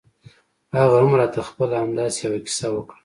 هغه هم راته خپله همداسې يوه کيسه وکړه.